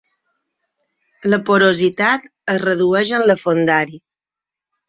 La porositat es redueix amb la fondària.